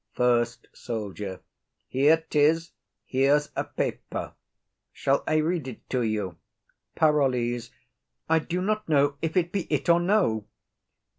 FIRST SOLDIER. Here 'tis; here's a paper; shall I read it to you? PAROLLES. I do not know if it be it or no.